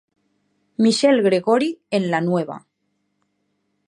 Michelle Gregory en la nueva.